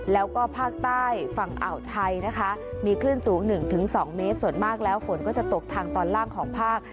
แล้วก็ภาคใต้ฝั่งอ่าวไทยนะคะมีคลื่นสูง๑๒เมตรส่วนมากแล้วฝนก็จะตกทางตอนล่างของภาค